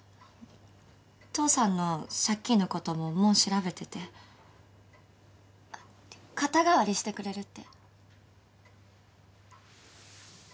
父さんの借金のことももう調べてて肩代わりしてくれるって。